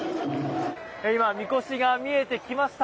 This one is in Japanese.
今、みこしが見えてきました。